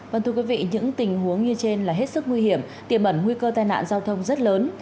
vâng thưa quý vị những tình huống như trên là hết sức nguy hiểm tiềm ẩn nguy cơ tai nạn giao thông rất lớn